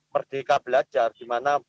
merdeka belajar dimana